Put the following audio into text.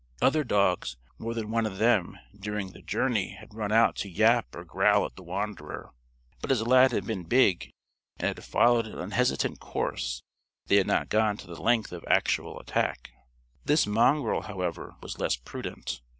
Other dogs, more than one of them, during the journey had run out to yap or growl at the wanderer, but as Lad had been big and had followed an unhesitant course they had not gone to the length of actual attack. This mongrel, however, was less prudent.